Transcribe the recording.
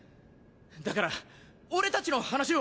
だから俺たちの話を。